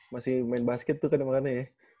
masih main basket tuh kadang kadang ya